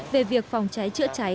về việc phòng cháy trựa cháy